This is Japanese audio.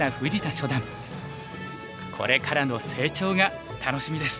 これからの成長が楽しみです。